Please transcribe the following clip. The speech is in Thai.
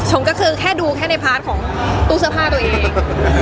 ผมก็คือแค่ดูแค่ในพาร์ทของตู้เสื้อผ้าตัวเอง